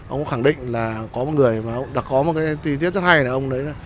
ông khẳng định là có một người đã có một cái tiết rất hay là ông đấy